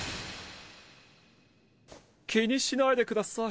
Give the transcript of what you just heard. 気にしないでください。